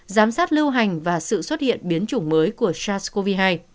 giám sát lưu hành và sự xuất hiện biến chủng mới của sars cov hai